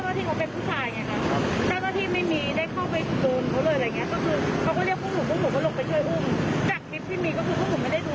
จากทริปที่มีก็คือพวกหนูไม่ได้โดยทำร้ายอะไรเขาเลยหรอกครับ